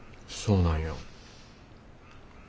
そうなんや。